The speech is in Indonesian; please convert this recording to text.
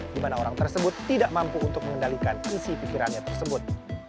di mana orang tersebut tidak mampu untuk mengendalikan isi pikirannya tersebut